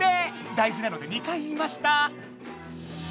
だいじなので２回言いました。